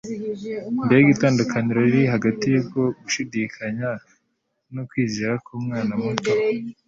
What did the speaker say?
Mbega itandukaniro riri hagati y'uko gushidikanya n'ukwizera k’umwana muto